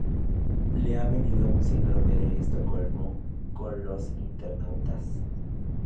Le ha venido un síndrome de Estocolmo con los internautas.